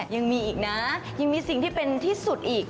ยังมีอีกนะยังมีสิ่งที่เป็นที่สุดอีก